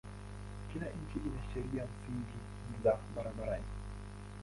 Kila nchi ina sheria msingi za barabarani.